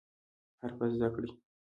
حرفه زده کړئ